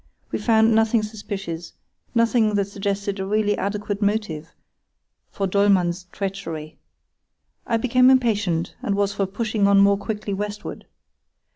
We found nothing suspicious, nothing that suggested a really adequate motive for Dollmann's treachery. I became impatient, and was for pushing on more quickly westward.